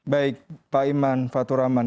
baik pak iman fatur rahman